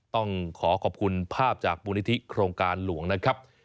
ต้องขอขอบคุณภาพจากมูลนิธิโครงการหลวงนะครับ